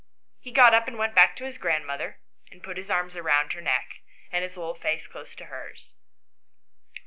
He got up and went back to his grandmother, and put his arms round her neck and his little face close to hers.